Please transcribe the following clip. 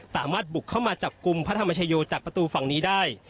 สามารถบุกเข้ามาจับกลุ่มพระธรรมชโยจากประตูฝั่งนี้ได้